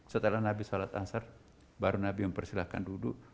setelah nabi salat asar baru nabi mempersilahkan duduk